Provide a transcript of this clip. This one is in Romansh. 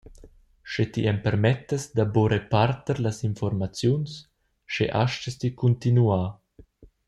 Sche ti empermettas da buca reparter las informaziuns, sche astgas ti cuntinuar.